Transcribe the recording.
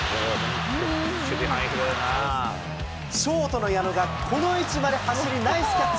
ショートの矢野がこの一打で、ナイスキャッチ。